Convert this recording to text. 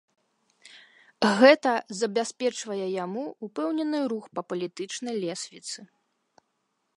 Гэта забяспечвае яму ўпэўнены рух па палітычнай лесвіцы.